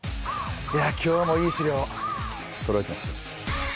いや今日もいい資料そろえてますよ。